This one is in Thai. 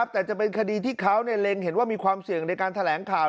แต่จะเป็นคดีที่เขาเล็งเห็นว่ามีความเสี่ยงในการแถลงข่าว